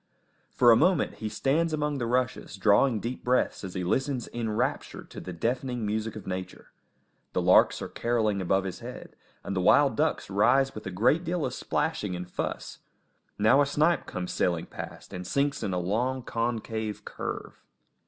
For a moment he stands among the rushes, drawing deep breaths as he listens enraptured to the deafening music of nature. The larks are carolling above his head, and the wild ducks rise with a great deal of splashing and fuss; now a snipe comes sailing past and sinks in a long, concave curve.